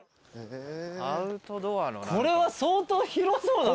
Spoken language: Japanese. これは相当広そうだぞ。